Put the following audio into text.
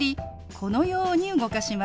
このように動かします。